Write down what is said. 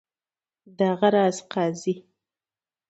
دغه راز قاضي.